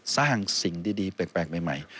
สร้างสิ่งดีแปลกใหม่